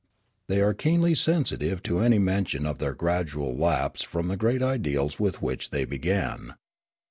" They are keenly sensitive to an}^ mention of their gradual lapse from the great ideals with which they began.